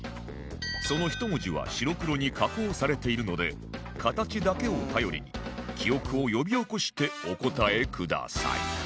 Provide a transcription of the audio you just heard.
その１文字は白黒に加工されているので形だけを頼りに記憶を呼び起こしてお答えください